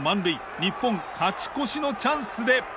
日本勝ち越しのチャンスで。